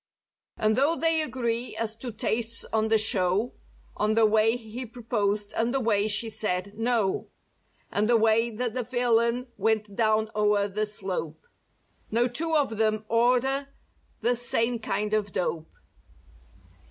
And though they agree as to tastes on the show— On the way he proposed and the way she said "No!" And the way that the villain went down o'er the slope— No two of them order the same kind of "dope."